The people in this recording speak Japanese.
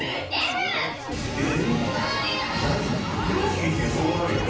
いやいやそうなるよね。